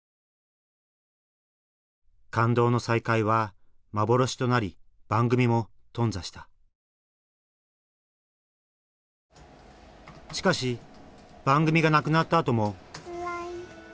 感動の再会は幻となり番組も頓挫したしかし番組がなくなったあとも「ＬＩＮＥ！」。